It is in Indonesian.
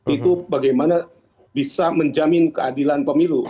itu bagaimana bisa menjamin keadilan pemilu